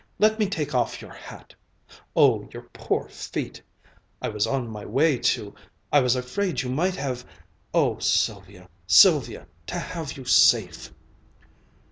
Let me take off your hat Oh, your poor feet I was on my way to I was afraid you might have Oh, Sylvia, Sylvia, to have you safe!"